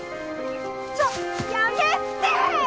ちょっとやめて！